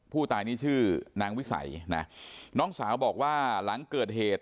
ผู้ตายนี่ชื่อนางวิสัยนะน้องสาวบอกว่าหลังเกิดเหตุ